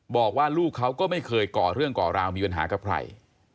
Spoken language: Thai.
บอกว่าลูกเขาก็ไม่เคยก่อเรื่องก่อราวมีปัญหากับใคร